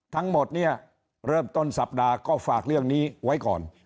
ทั้งหมดเนี่ยเริ่มต้นสัปดาห์ก็ฝากเรื่องนี้ไว้ก่อน